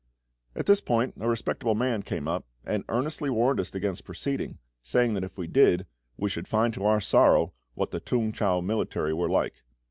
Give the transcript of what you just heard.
At this point a respectable man came up, and earnestly warned us against proceeding, saying that if we did we should find to our sorrow what the T'ung chau militia were like.